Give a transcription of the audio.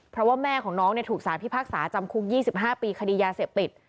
เพราะว่าแม่ของน้องถูกสารพิพากษาจำคุก๒๕ปีคดียาเสพติด